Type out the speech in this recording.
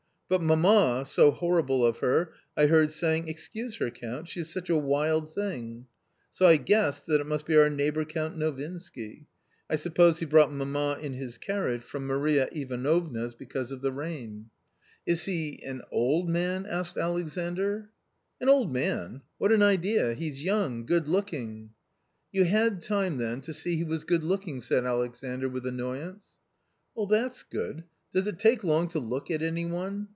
But mamma — so horrible of her — I heard saying, * Excuse her, Count, she is such a wild thing'. ... So I guessed that it must be our neighbour Count Novinsky. I suppose he brought mamma in his carriage from Maria Ivanovna's, because of the rain." u^ A COMMON STORY 103 " Is he — an old man !" asked Alexandr. " An old man ! what an idea ! he's young, good look ing !"" You had time then to see he was good looking !" said Alexandr with annoyance. " That's good ! does it take long to look at any one?